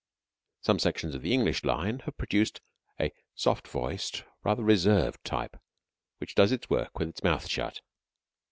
Some sections of the English line have produced a soft voiced, rather reserved type, which does its work with its mouth shut.